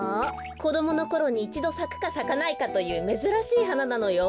こどものころにいちどさくかさかないかというめずらしいはななのよ。